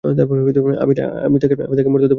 আমি তাকে মরতে দেব না!